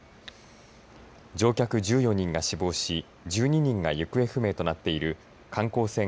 乗客１４人が死亡し１２人が行方不明となっている観光船